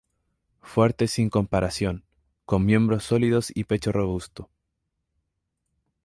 Fuerte sin comparación, con miembros sólidos y pecho robusto.